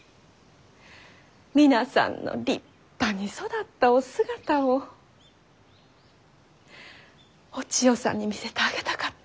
皆さんの立派に育ったお姿をお千代さんに見せてあげたかった。